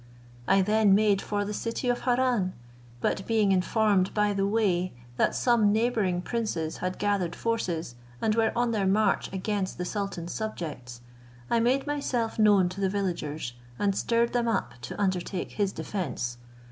I then made for the city of Harran; but being informed by the way, that some neighbouring princes had gathered forces, and were on their march against the sultan's subjects, I made myself known to the villagers, and stirred them up to undertake his defence.